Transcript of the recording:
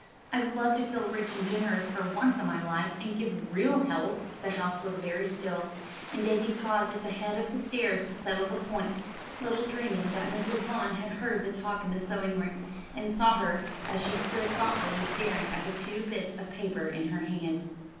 I'd love to feel rich and generous for once in my life, and give real help." The house was very still, and Daisy paused at the head of the stairs to settle the point, little dreaming that Mrs. Vaughn had heard the talk in the sewing room, and saw her as she stood thoughtfully staring at the two bits of paper in her hand.